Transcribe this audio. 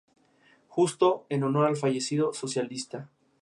Cuenta la experiencia de J. M. Barrie escribiendo el clásico infantil "Peter Pan".